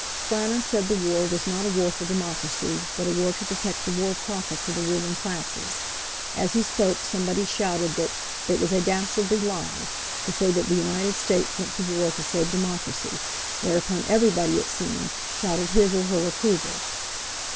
Frana said the war was not a war for democracy, but a war to protect the war profits of the ruling classes. As he spoke somebody shouted that "it was a dastardly lie" to say that the United States went to war to save democracy, whereupon everybody, it seemed, shouted his or her approval.